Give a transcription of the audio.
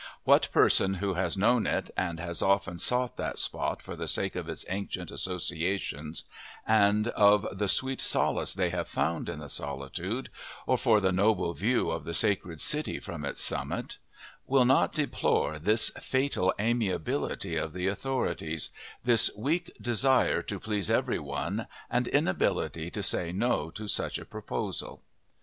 What person who has known it and has often sought that spot for the sake of its ancient associations, and of the sweet solace they have found in the solitude, or for the noble view of the sacred city from its summit, will not deplore this fatal amiability of the authorities, this weak desire to please every one and inability to say no to such a proposal!